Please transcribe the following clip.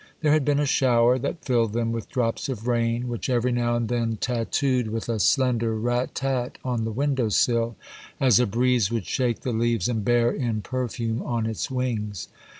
There had been a shower that filled them with drops of rain, which every now and then tattooed with a slender rat tat on the window sill, as a breeze would shake the leaves and bear in perfume on its wings.